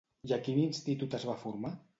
I a quin institut es va formar?